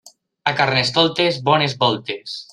A Carnestoltes, bones voltes.